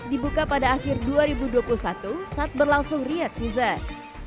dibuka pada akhir dua ribu dua puluh satu saat berlangsung riyad season